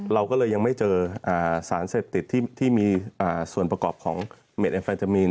เราก็เลยยังไม่เจอสารเสพติดที่มีส่วนประกอบของเม็ดแอมเฟตามีน